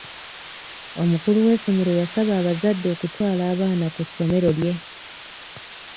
Omukulu w'essomero yasaba abazadde okutwala abaana ku ssomero lye.